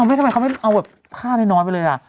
เอ้าไม่ทำไมเขาไม่เอาแบบค่าน้อยไปเลยอ่ะ